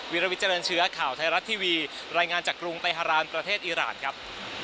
วิลวิเจริญเชื้อข่าวไทยรัฐทีวีรายงานจากกรุงเตฮารานประเทศอิราณครับ